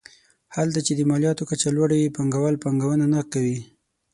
هلته چې د مالیاتو کچه لوړه وي پانګوال پانګونه نه کوي.